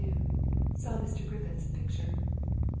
Saw Mr. Griffith's picture.